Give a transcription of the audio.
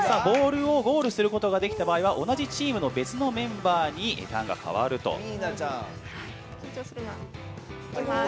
ボールをゴールすることができた場合は同じチームの別のメンバーにターンが変わると。